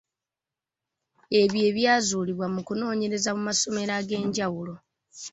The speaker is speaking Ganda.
Ebyo ebyazuulibwa mu kunoonyereza mu masomero ag’enjawulo.